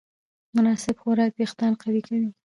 مناسب خوراک وېښتيان قوي کوي.